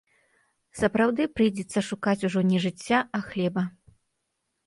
Сапраўды прыйдзецца шукаць ужо не жыцця, а хлеба.